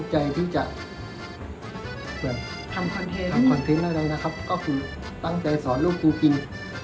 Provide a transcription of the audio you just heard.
ใจที่จะทำคอนเทนส์ได้นะครับคือตั้งใจสอนลูกจริง